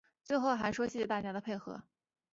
最后还说谢谢大家的配合